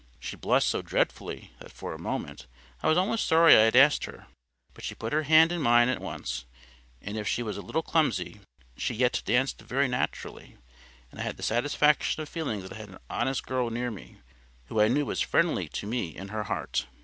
She blushed so dreadfully that, for a moment, I was almost sorry I had asked her. But she put her hand in mine at once; and if she was a little clumsy, she yet danced very naturally, and I had the satisfaction of feeling that I had an honest girl near me, who I knew was friendly to me in her heart.